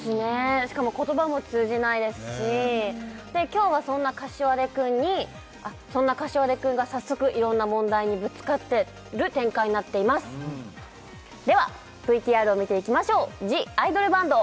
しかも言葉も通じないですし今日はそんな膳君が早速いろんな問題にぶつかってる展開になっていますではＶＴＲを見ていきましょう「ＴＨＥＩＤＯＬＢＡＮＤ」